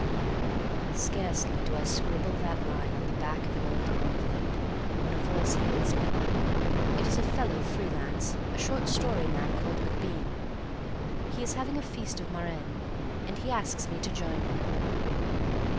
Scarcely do I scribble that last line on the back of an old envelope when a voice hails me. It is a fellow free lance, a short story man called MacBean. He is having a feast of Marennes and he asks me to join him.